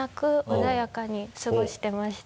穏やかに過ごしてました。